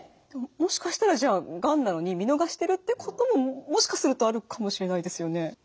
もしかしたらじゃあがんなのに見逃してるってことももしかするとあるかもしれないですよね。